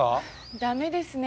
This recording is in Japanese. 駄目ですね。